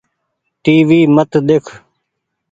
ٽي وي مت ۮيک ۔